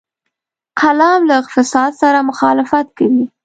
قلم له فساد سره مخالفت کوي